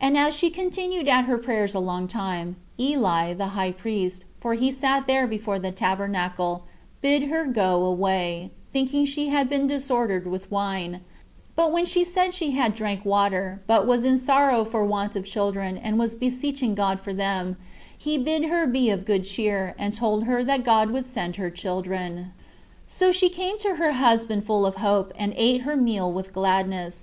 And as she continued at her prayers a long time, Eli, the high priest, for he sat there before the tabernacle, bid her go away, thinking she had been disordered with wine; but when she said she had drank water, but was in sorrow for want of children, and was beseeching God for them, he bid her be of good cheer, and told her that God would send her children. 3. So she came to her husband full of hope, and ate her meal with gladness.